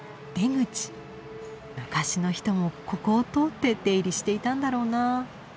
昔の人もここを通って出入りしていたんだろうな。